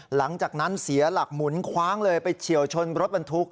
หลังจากนั้นเสียหลักหมุนคว้างเลยไปเฉียวชนรถบรรทุก